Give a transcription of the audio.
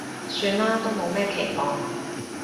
算啦，都冇咩期望